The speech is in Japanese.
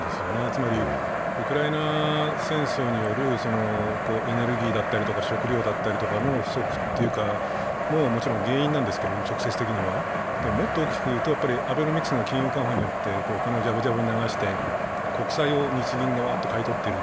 つまりウクライナ戦争によるエネルギーだったり食糧だったりの不足というか、それも直接的には原因なんですけど、もっと大きく言うと、アベノミクスの金融緩和によってお金をじゃぶじゃぶに流して国債を日銀がわっと買い取っている。